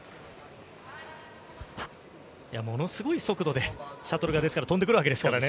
ものすごい速度でシャトルが飛んでくるわけですからね。